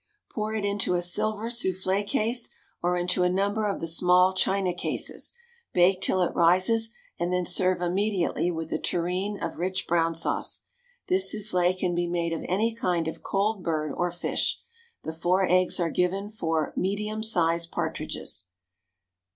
Pour it into a silver soufflé case, or into a number of the small china cases. Bake till it rises, and then serve immediately with a tureen of rich brown sauce. This soufflé can be made of any kind of cold bird or fish. The four eggs are given for medium sized partridges.